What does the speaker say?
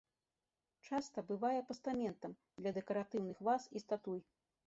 Часта бывае пастаментам для дэкаратыўных ваз і статуй.